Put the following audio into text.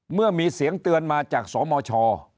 เมื่อมีเสียงเตือนมาจากสมช